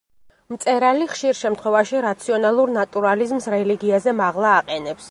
მწერალი ხშირ შემთხვევაში რაციონალურ ნატურალიზმს რელიგიაზე მაღლა აყენებს.